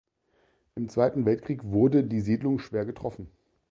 Im Zweiten Weltkrieg wurde die Siedlung schwer getroffen.